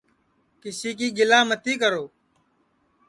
کِسی کی گِلا متی کرو